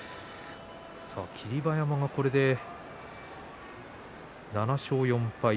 霧馬山、これで７勝４敗です。